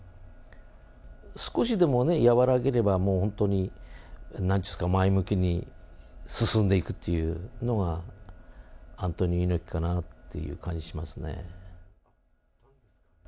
少しでもね、やわらげれば本当になんて言うんですか、前向きに、進んでいくっていうのが、アントニオ猪木かなっていう感じがしますね。